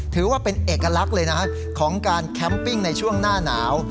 ถือว่าเป็นเอกลักษณ์เลยนะของการแคมปิ้งในช่วงหน้าหนาว